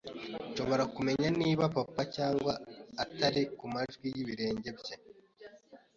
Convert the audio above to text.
Nshobora kumenya niba ari Papa cyangwa atari ku majwi y'ibirenge bye.